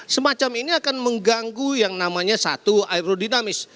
semacam ini akan mengganggu yang namanya satu aerodinamis